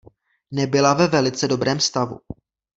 Nebyla ve velice dobrém stavu.